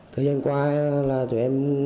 thời gian qua chúng em